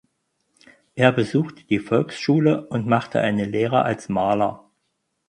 Er besuchte die Volksschule und machte eine Lehre als Maler.